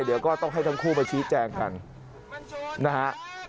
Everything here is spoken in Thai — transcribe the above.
เดี๋ยวก็ต้องให้ทั้งคู่มาชี้แจงกันนะฮะ